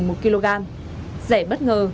một kg rẻ bất ngờ